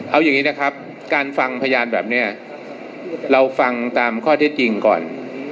เอาอย่างนี้นะครับการฟังพยานแบบนี้เราฟังตามข้อเท็จจริงก่อน